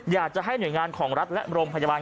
อยากจะให้หน่วยงานของรัฐและโรงพยาบาล